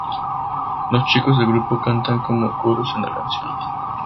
Los chicos del grupo cantan como coros en la canción.